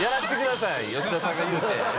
吉田さんが言うて。